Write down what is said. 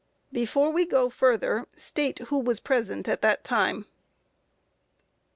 Q. Before you go further, state who was present at that time?